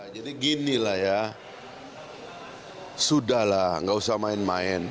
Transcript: jadi ginilah ya sudah lah nggak usah main main